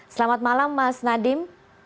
selamat malam mas nadiem